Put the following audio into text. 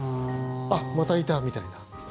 あっ、またいたみたいな。